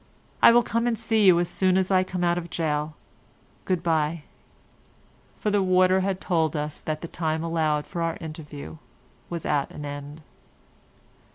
I will come and see you as soon as I come out of gaol. Good bye." For the warder had told us that the time allowed for our interview was at an end.